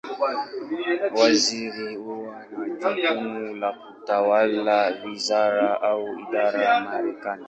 Waziri huwa na jukumu la kutawala wizara, au idara Marekani.